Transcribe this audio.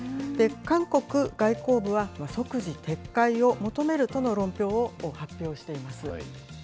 韓国外交部は即時撤回を求めるとの論評を発表しています。